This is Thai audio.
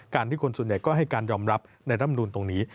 ที่คนส่วนใหญ่ก็ให้การยอมรับในร่ำนูนตรงนี้